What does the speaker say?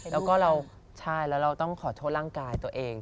แล้วก็เราต้องขอโทษร่างกายตัวเอง